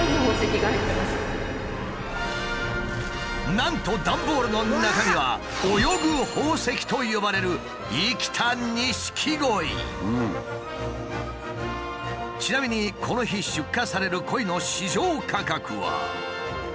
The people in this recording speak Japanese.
なんと段ボールの中身は「泳ぐ宝石」と呼ばれるちなみにこの日出荷されるコイの市場価格は。